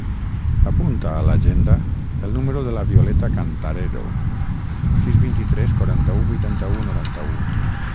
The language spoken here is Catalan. Apunta a l'agenda el número de la Violeta Cantarero: sis, vint-i-tres, quaranta-u, vuitanta-u, noranta-u.